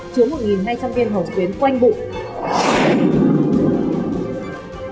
chứa một hai trăm linh viên hồn tuyến quanh bụi